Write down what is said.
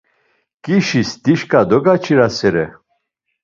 Ǩişis dişǩa dogaç̌irasere.